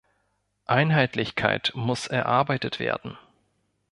Einheitlichkeit muss erarbeitet werden.